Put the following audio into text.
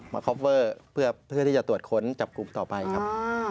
คอปเวอร์เพื่อที่จะตรวจค้นจับกลุ่มต่อไปครับ